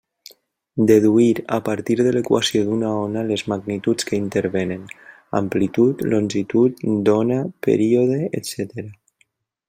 Deduir a partir de l'equació d'una ona les magnituds que intervenen: amplitud, longitud d'ona, període, etcètera.